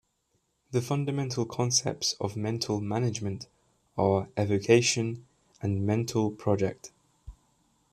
The fundamental concepts of Mental Management are evocation and mental project.